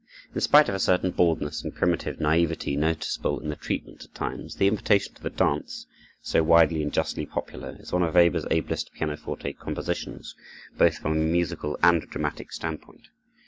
In spite of a certain baldness and primitive naïveté noticeable in the treatment at times, the "Invitation to the Dance," so widely and justly popular, is one of Weber's ablest pianoforte compositions, both from a musical and a dramatic standpoint.